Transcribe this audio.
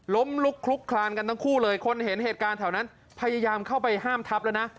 ลุกคลุกคลานกันทั้งคู่เลยคนเห็นเหตุการณ์แถวนั้นพยายามเข้าไปห้ามทับแล้วนะ